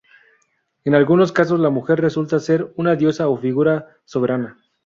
En algunos casos la mujer resulta ser una diosa o una figura soberana.